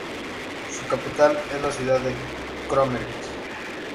Su capital es la ciudad de Kroměříž.